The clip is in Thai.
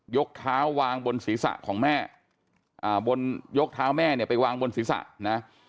ยกเท้าวางบนศีรษะของแม่บนยกเท้าแม่เนี่ยไปวางบนศีรษะนะ